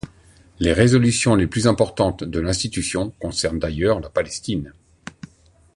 Les résolutions les plus importantes de l'institution concernent d'ailleurs la Palestine.